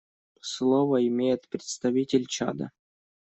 Слово имеет представитель Чада.